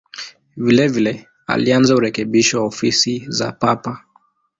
Vilevile alianza urekebisho wa ofisi za Papa.